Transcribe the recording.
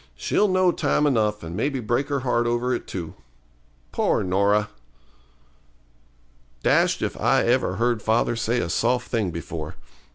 'She'll know time enough, and maybe break her heart over it, too. Poor Norah!' Dashed if I ever heard father say a soft thing before.